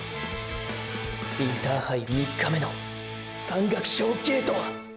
インターハイ３日目の山岳賞ゲートはーー